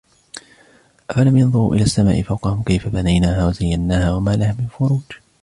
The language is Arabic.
أفلم ينظروا إلى السماء فوقهم كيف بنيناها وزيناها وما لها من فروج